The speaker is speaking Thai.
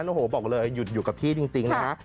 โอ้โหบอกเลยหยุดอยู่กับพี่จริงนะฮะ